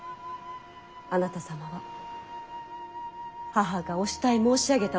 あなた様は母がお慕い申し上げたお方だったと。